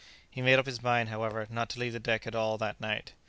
He made up his mind, however, not to leave the deck at all that night.